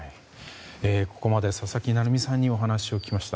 ここまで佐々木成三さんにお話を聞きました。